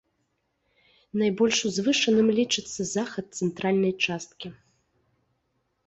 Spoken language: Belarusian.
Найбольш узвышаным лічыцца захад цэнтральнай часткі.